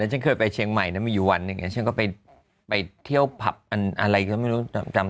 แล้วฉันเคยไปเชียงใหม่มีอยู่วันหนึ่งฉันก็ไปที่ไปเที่ยวผัพมีอะไรก็ไม่รู้จำ